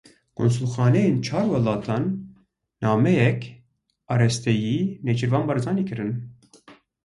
Konsulxaneyên çar welatan nameyek arasteyî Nêçîrvan Barzanî kirin.